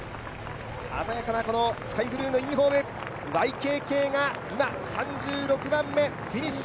鮮やかなスカイブルーのユニフォーム、ＹＫＫが今、３６番目、フィニッシュ。